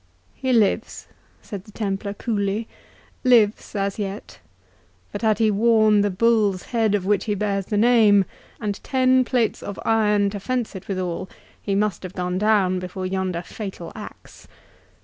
"He lives," said the Templar, coolly, "lives as yet; but had he worn the bull's head of which he bears the name, and ten plates of iron to fence it withal, he must have gone down before yonder fatal axe.